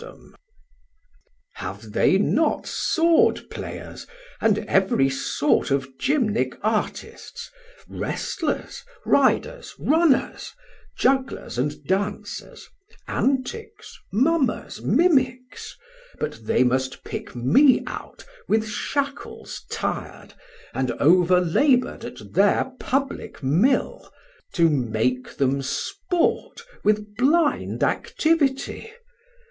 Sam: Have they not Sword players, and ev'ry sort Of Gymnic Artists, Wrestlers, Riders, Runners, Juglers and Dancers, Antics, Mummers, Mimics, But they must pick me out with shackles tir'd, And over labour'd at thir publick Mill, To make them sport with blind activity?